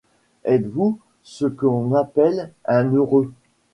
Êtes-vous ce qu’on appelle un heureux?